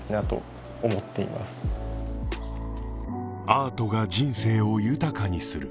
アートが人生を豊かにする